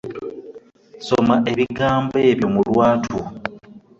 Soma ebigambo ebyo mu lwatu.